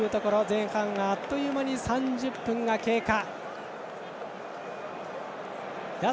前半はあっという間に３０分が経過。